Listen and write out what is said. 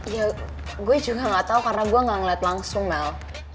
ya gue juga gak tau karena gue gak ngeliat langsung mel